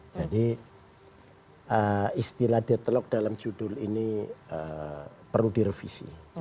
jadi istilah ditelok dalam judul ini perlu direvisi